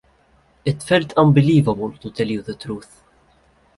It felt unbelievable, to tell you the truth.